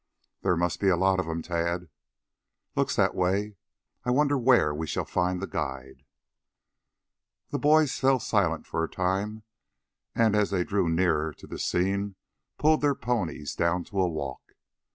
"There must be a lot of them, Tad." "Looks that way. I wonder where we shall find the guide." Both boys fell silent for a time, and as they drew nearer to the scene pulled their ponies down to a walk.